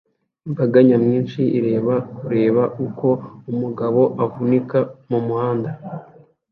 Imbaga nyamwinshi ireba kureba uko umugabo avunika mumuhanda